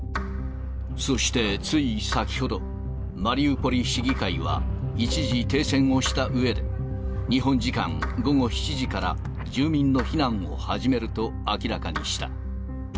そして、つい先ほど、マリウポリ市議会は、一時停戦をしたうえで、日本時間午後７時から、住民の避難を始めると明らかにした。